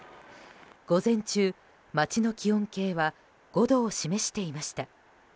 午前中、街の気温計は５度を示していました。